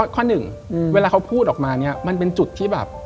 เหมือนเขาพูดออกมาเนี่ยมันเป็นจุดที่แบบ